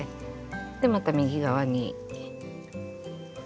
でまた右側に。